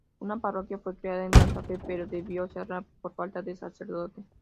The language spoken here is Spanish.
Una parroquia fue creada en Santa Fe, pero debió cerrar por falta de sacerdote.